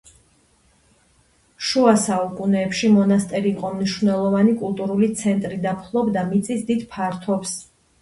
შუა საუკუნეებში მონასტერი იყო მნიშვნელოვანი კულტურული ცენტრი და ფლობდა მიწის დიდ ფართობს.